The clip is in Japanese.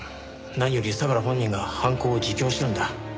何より相良本人が犯行を自供したんだ。